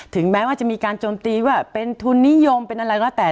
ถึงแม้ว่าจะมีการโจมตีว่าเป็นทุนนิยมเป็นอะไรก็แล้วแต่